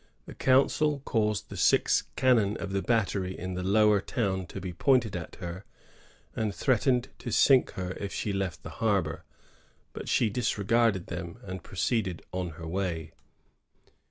The council caused the six cannon of the battery in the Lower Town to be pointed at her, and threatened to sink her if she left the harbor ; but she disregarded them, and proceeded on her way.